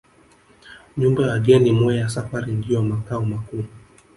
Nyumba ya wageni Mweya Safari ndiyo makao makuu